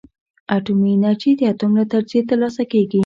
اټومي انرژي د اتوم له تجزیې ترلاسه کېږي.